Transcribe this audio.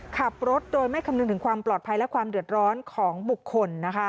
ขับรถโดยไม่คำนึงถึงความปลอดภัยและความเดือดร้อนของบุคคล